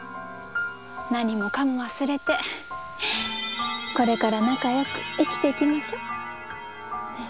何もかも忘れてこれから仲良く生きていきましょう。